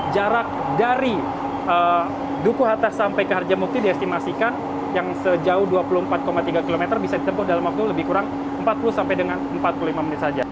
jarak dari duku hata sampai ke harjamukti diestimasikan yang sejauh dua puluh empat tiga km bisa ditempuh dalam waktu lebih kurang empat puluh sampai dengan empat puluh lima menit saja